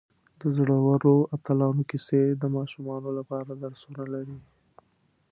د زړورو اتلانو کیسې د ماشومانو لپاره درسونه لري.